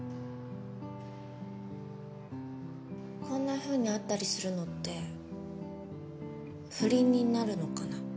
こんなふうに会ったりするのって不倫になるのかな？